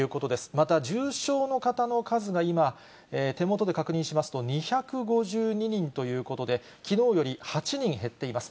また重症の方の数が、今、手元で確認しますと、２５２人ということで、きのうより８人減っています。